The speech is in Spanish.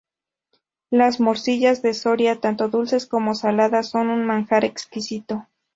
Las morcillas de Soria, tanto dulces como saladas, son un manjar exquisito.